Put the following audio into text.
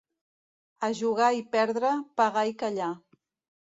A jugar i perdre, pagar i callar.